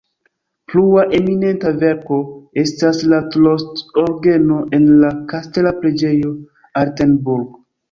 Plua eminenta verko estas la Trost-orgeno en la kastela preĝejo Altenburg.